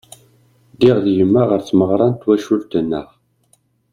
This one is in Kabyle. Ddiɣ d yemma ɣer tmeɣra n twacult-nneɣ.